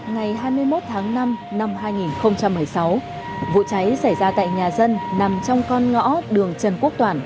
ngày hai mươi một tháng năm năm hai nghìn một mươi sáu vụ cháy xảy ra tại nhà dân nằm trong con ngõ đường trần quốc toản